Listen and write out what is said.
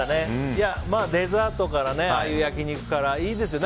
デザートから焼き肉からいいですよね。